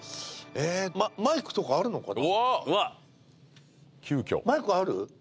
えマイクとかあるのかな？